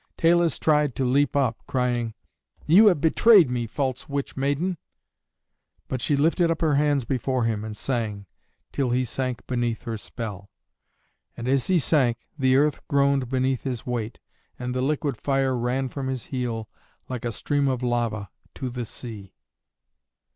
Talus tried to leap up, crying, "You have betrayed me, false witch maiden." But she lifted up her hands before him and sang, till he sank beneath her spell. And as he sank, the earth groaned beneath his weight and the liquid fire ran from his heel, like a stream of lava, to the sea.